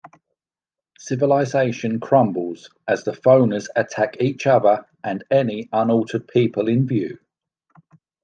Civilization crumbles as the "phoners" attack each other and any unaltered people in view.